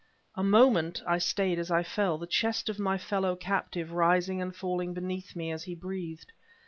A moment I stayed as I fell, the chest of my fellow captive rising and falling beneath me as he breathed.